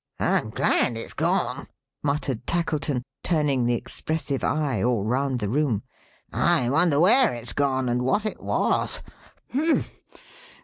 "I'm glad it's gone," muttered Tackleton, turning the expressive eye all round the room. "I wonder where it's gone, and what it was. Humph!